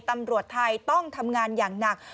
ตำรวจไทยต้องทำงานอย่างหนัก